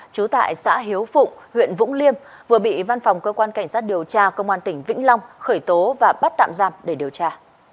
trú tại xã hiếu phụng huyện vũng liêm vừa bị văn phòng cơ quan cảnh sát điều tra công an tỉnh vĩnh long khởi tố và bắt tạm giam để điều tra